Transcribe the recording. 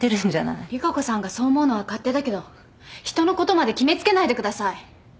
利佳子さんがそう思うのは勝手だけど人のことまで決め付けないでください。